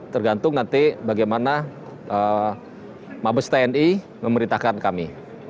tergantung nanti bagaimana mabes tni memerintahkan kami